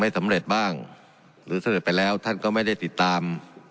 สำเร็จบ้างหรือเสด็จไปแล้วท่านก็ไม่ได้ติดตาม